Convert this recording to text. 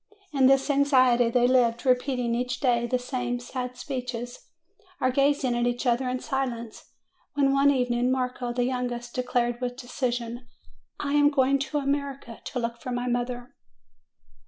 In this anxiety they lived, repeating each day the same sad speeches, or gazing at each other in silence; when, one evening, Marco, the youngest, de clared with decision, "I am going to America to look for my mother."